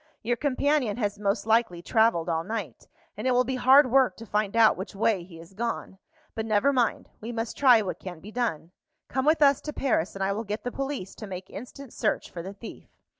"Your companion has most likely travelled all night, and it will be hard work to find out which way he has gone. But never mind; we must try what can be done. Come with us to Paris, and I will get the police to make instant search for the thief.